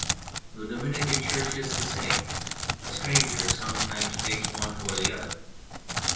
The Dominican Church is the same ; a stranger some times takes one for the other.